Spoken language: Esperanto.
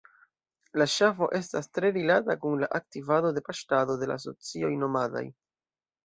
La ŝafo estas tre rilata kun la aktivado de paŝtado de la socioj nomadaj.